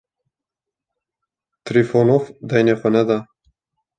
Trifonof deynê xwe neda.